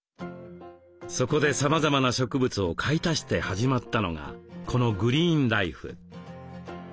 そこでさまざまな植物を買い足して始まったのがこのグリーンライフ。